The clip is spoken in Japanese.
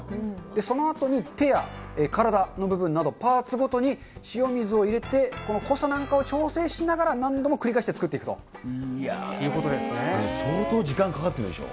そのあとに手や体の部分など、パーツごとに塩水を入れて、この濃さなんかを調整しながら何度も繰り返して作っていくという相当時間かかったでしょ。